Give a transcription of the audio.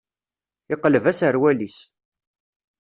Yeqleb aserwal-is.